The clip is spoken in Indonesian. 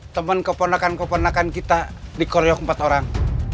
teman keponakan keponakan kita dikoryok empat orang